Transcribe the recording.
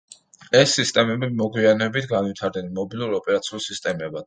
ეს სისტემები მოგვიანებით განვითარდნენ მობილურ ოპერაციულ სისტემებად.